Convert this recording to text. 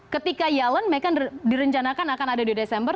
ketika yellen mekan direncanakan akan ada di desember